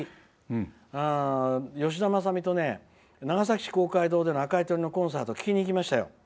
吉田政美と長崎市公会堂での赤い鳥のコンサート聴きに行きました。